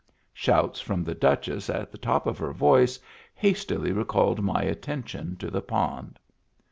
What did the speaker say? Shouts from the Duchess at the top of her voice hastily re called my attention to the pond.